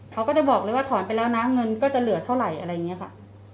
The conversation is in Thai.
เขาก็จะบอกเลยว่าถอนไปแล้วนะเงินก็จะเหลือเท่าไหร่อะไรอย่างนี้ค่ะ